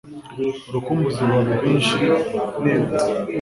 urukumbuzi ruba rwinshi, nibutse